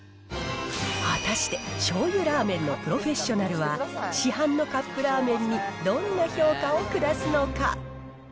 果たして、しょうゆラーメンのプロフェッショナルは、市販のカップラーメンにどんな評価を下すのか。